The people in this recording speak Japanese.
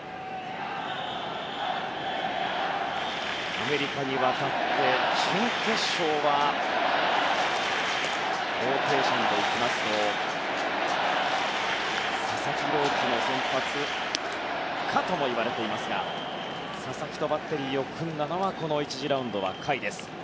アメリカに渡って準決勝はローテーションでいきますと佐々木朗希の先発かともいわれていますが佐々木とバッテリーを組んだのは１次ラウンドは甲斐です。